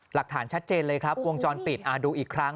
หลักฐานชัดเจนเลยครับวงจรปิดดูอีกครั้ง